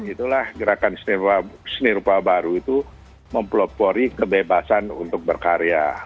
itulah gerakan seni rupa baru itu mempelopori kebebasan untuk berkarya